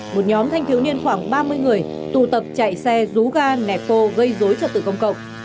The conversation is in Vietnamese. một nhóm thanh thiếu niên khoảng ba mươi người tụ tập chạy xe rú ga nẹt phô gây dối trật tự công cộng